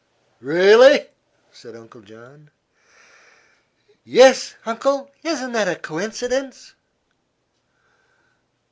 "Really?" said Uncle John. "Yes, Uncle. Isn't it a coincidence?"